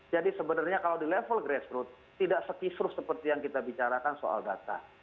jadi sebenarnya kalau di level grassroot tidak sekisur seperti yang kita bicarakan soal data